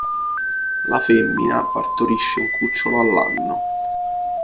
La femmina partorisce un cucciolo all'anno.